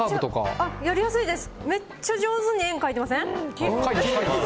やりやすいです。